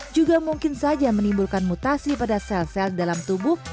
juga mungkin saja menimbulkan mutasi pada sel sel dalam tubuh